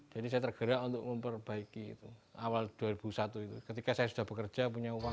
jadi saya tergerak untuk memperbaiki itu awal dua ribu satu itu ketika saya sudah bekerja punya uang